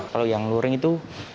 kalau yang luring itu